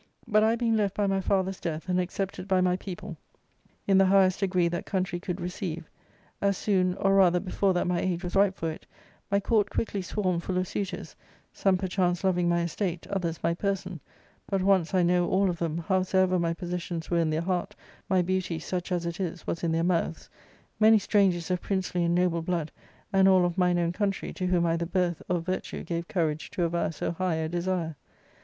But I being left by my father's death, and accepted by my people, in the h' S6 ARCADIA.— Book I. \ highest degree that country could receive* as soon, or rather before that my age was ripe for it, my court quickly swarmed full of suitors, some perchance loving my estate, others my person, but once, I know, all of them, howsoever my posses sions were in their heart, my beauty, such as it is, was in their mouths — ^many strangers of princely and noble blood, and all of mine own country, to whom either birth or virtue gave courage to avow so high a desire.